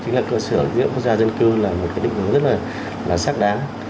chính là cơ sở dữ liệu quốc gia dân cư là một cái định hướng rất là xác đáng